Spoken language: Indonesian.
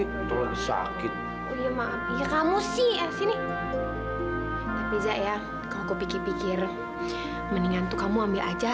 atau sakit ya kamu sih sini bisa ya kalau pikir pikir mendingan tuh kamu ambil aja